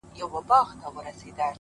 او بېوفايي . يې سمه لکه خور وگڼه.